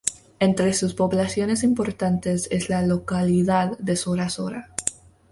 Entre sus poblaciones importantes es la Localidad de Sora Sora.